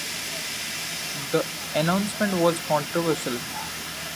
The announcement was controversial.